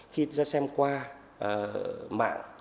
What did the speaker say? khi xem qua mạng